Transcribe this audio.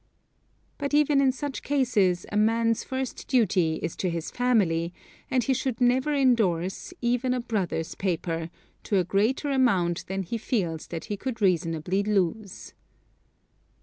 But even in such cases a man's first duty is to his family, and he should never endorse, even a brother's paper, to a greater amount than he feels that he could reasonably lose.